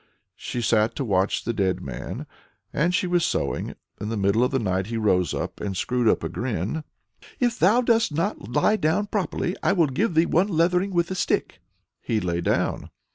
"She sat to watch the dead man, and she was sewing; in the middle of night he rose up, and screwed up a grin. 'If thou dost not lie down properly, I will give thee the one leathering with a stick.' He lay down.